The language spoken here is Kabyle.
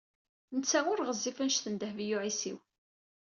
Netta ur ɣezzif anect n Dehbiya u Ɛisiw.